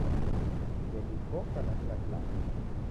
Kedu koka na kila kilambo